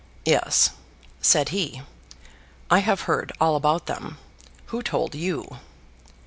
"Yes;" said he, "I have heard all about them. Who told you?"